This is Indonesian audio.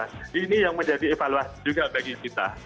jadi ini yang menjadi evaluasi juga bagi kita